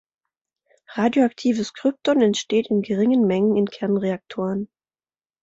Radioaktives Krypton entsteht in geringen Mengen in Kernreaktoren.